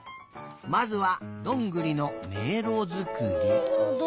まずはどんぐりのめいろづくり。